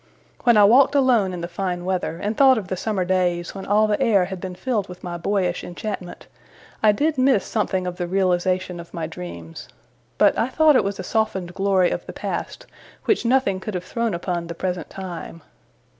When I walked alone in the fine weather, and thought of the summer days when all the air had been filled with my boyish enchantment, I did miss something of the realization of my dreams; but I thought it was a softened glory of the Past, which nothing could have thrown upon the present time.